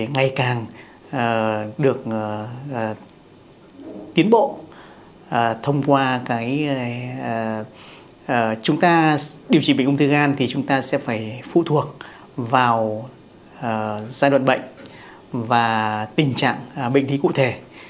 ngày càng được tiến bộ thông qua chúng ta điều trị bệnh ung thư gan thì chúng ta sẽ phải phụ thuộc vào giai đoạn bệnh và tình trạng bệnh lý cụ thể